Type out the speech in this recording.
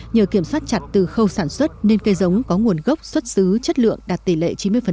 nhờ kiểm soát chặt từ khâu sản xuất nên cây giống có nguồn gốc xuất xứ chất lượng đạt tỷ lệ chín mươi